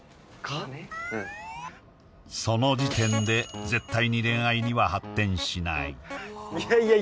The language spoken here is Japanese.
うんその時点で絶対に恋愛には発展しないいやいや